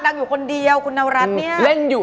ดังอยู่คนเดียวคุณนาวรัชเนี่ย